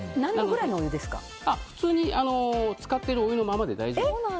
普通に使ってるお湯のままで大丈夫です。